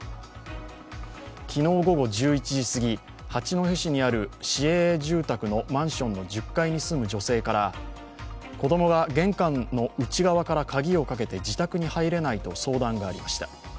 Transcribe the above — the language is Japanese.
昨日午後１１時すぎ、八戸市にある市営住宅のマンションの１０階に住む女性から、子供が玄関の内側から鍵をかけて自宅に入れないと相談がありました。